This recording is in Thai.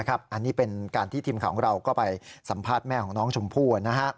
อันนี้เป็นการที่ทีมข่าวของเราก็ไปสัมภาษณ์แม่ของน้องชมพู่